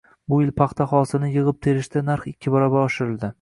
Bu yil paxta hosilini yigʻib-terishda narx ikki barobar oshirildi.